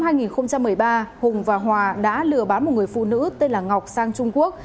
năm hai nghìn một mươi ba hùng và hòa đã lừa bán một người phụ nữ tên là ngọc sang trung quốc